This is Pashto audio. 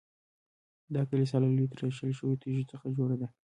دا کلیسا له لویو تراشل شویو تیږو څخه جوړه ده.